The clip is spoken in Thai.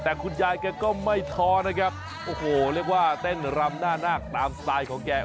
แต่คุณยายแกก็ไม่ท้อนะครับโอ้โหเรียกว่าเต้นรำหน้านาคตามสไตล์ของแก